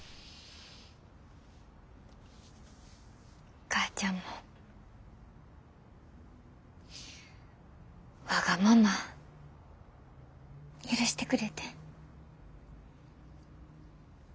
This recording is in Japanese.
お母ちゃんもわがまま許してくれてありがとう。